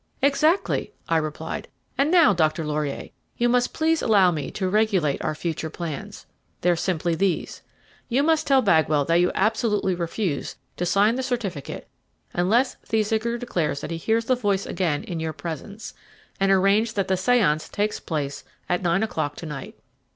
"Exactly," I replied. "And now, Dr. Laurier, you must please allow me to regulate our future plans. They're simply these. You must tell Bagwell that you absolutely refuse to sign the certificate unless Thesiger declares that he hears the voice again in your presence, and arrange that the séance takes place at nine o'clock to night.